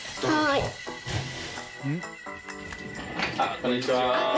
こんにちは。